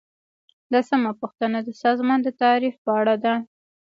لسمه پوښتنه د سازمان د تعریف په اړه ده.